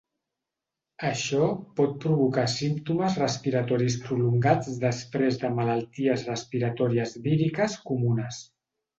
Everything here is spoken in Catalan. Això pot provocar símptomes respiratoris prolongats després de malalties respiratòries víriques comunes.